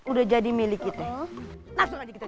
udah jadi milik kita